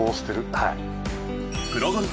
はい。